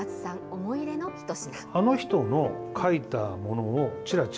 思い入れの一品。